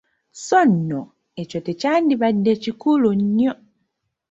Sso nno ekyo tekyandibadde kikulu nnyo.